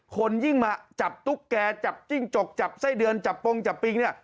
คนยิ่งมาจับตุ๊กแกจับจิ้งจกจับไส้เดือนจับปงจับปิงเนี่ย